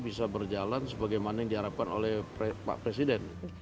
bisa berjalan sebagaimana yang diharapkan oleh pak presiden